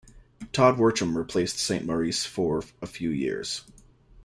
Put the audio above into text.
Todd Wircham replaced Saint-Maurice for a few years.